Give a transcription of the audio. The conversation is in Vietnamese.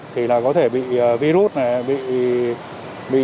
thì là có thể bị virus này